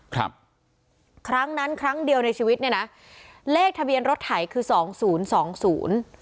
ครั้งนั้นครั้งเดียวในชีวิตเนี้ยนะเลขทะเบียนรถไถคือสองศูนย์สองศูนย์